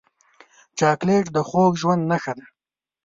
چاکلېټ د خوږ ژوند نښه ده.